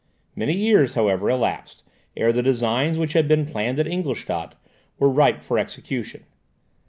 Many years, however, elapsed, ere the designs which had been planned at Ingolstadt were ripe for execution.